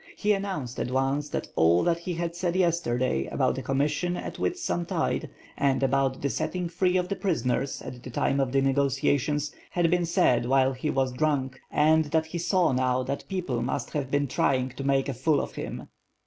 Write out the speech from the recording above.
He announced at once, that all that he had said yesterday about a commission at Whitsuntide and about the settirg free of the prisoners, at the time of the negotiations, had been said while he was drunk, and that he saw now that people must have been try ing to make a fool of him.